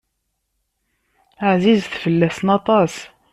Ɛzizet fell-asen aṭas.